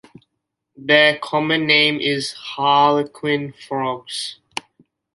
Their common name is harlequin frogs.